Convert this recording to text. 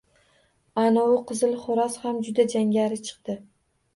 Ana u qizil xo‘roz ham juda jangari chiqdi